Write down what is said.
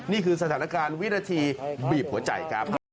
นี่คือสถานการณ์วินาทีบีบหัวใจครับ